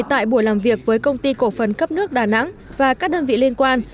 tại buổi làm việc với công ty cổ phần cấp nước đà nẵng và các đơn vị liên quan